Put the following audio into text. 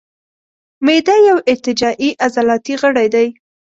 معده یو ارتجاعي عضلاتي غړی دی.